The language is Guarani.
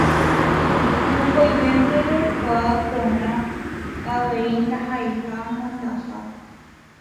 Mokõivénte roikuaa porã avei ndaha'eiha mondaha.